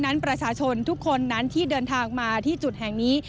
นั้นประชาชนทุกคนนั้นที่เดินทางมาที่จุดแห่งนี้